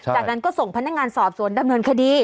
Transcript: จากนั้นก็ส่งพนักงานสอบสวนดำเนินคดี